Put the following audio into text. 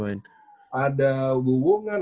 oh iya mario masih main